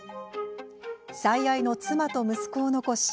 最愛の妻と息子を残し